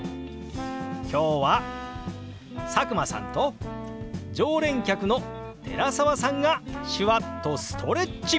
今日は佐久間さんと常連客の寺澤さんが手話っとストレッチ！